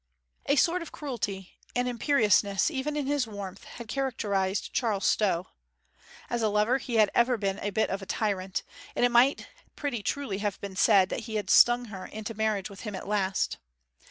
A sort of cruelty, an imperiousness, even in his warmth, had characterized Charles Stow. As a lover he had ever been a bit of a tyrant; and it might pretty truly have been said that he had stung her into marriage with him at last.